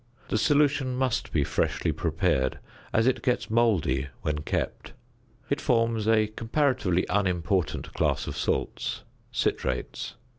The solution must be freshly prepared, as it gets mouldy when kept. It forms a comparatively unimportant class of salts (citrates).